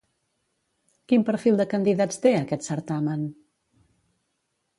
Quin perfil de candidats té aquest certamen?